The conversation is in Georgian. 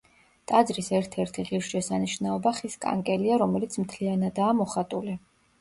ტაძრის ერთ-ერთი ღირსშესანიშნაობა ხის კანკელია, რომელიც მთლიანადაა მოხატული.